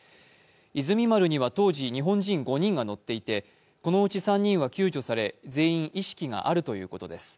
「いずみ丸」には当時日本人５人が乗っていて、このうち３人は救助され、全員意識があるということです。